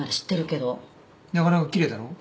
なかなかきれいだろ？